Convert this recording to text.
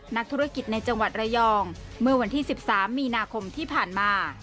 นักธุรกิจในจังหวัดระยองเมื่อวันที่๑๓มีนาคมที่ผ่านมา